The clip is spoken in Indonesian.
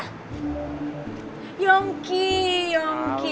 yungki yungki yungki